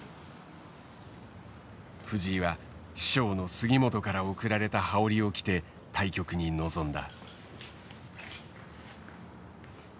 藤井は師匠の杉本から贈られた羽織を着て対局に臨んだ。